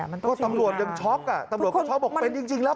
ก็ตำรวจยังช็อคตำรวจก็ช็อคบอกเป็นจริงแล้ว